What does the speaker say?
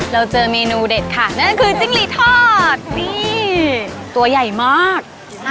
เราเจอเมนูเด็ดค่ะนั่นคือจิ้งหลีทอดนี่ตัวใหญ่มาก